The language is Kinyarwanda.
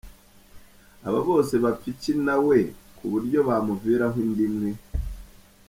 Aba bose bapfa iki na we, ku buryo bamuviraho inda imwe?!